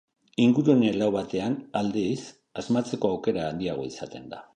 Ingurune lau batean, aldiz, asmatzeko aukera handiagoa izaten da.